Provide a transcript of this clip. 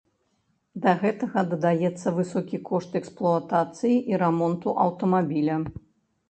Да гэтага дадаецца высокі кошт эксплуатацыі і рамонту аўтамабіля.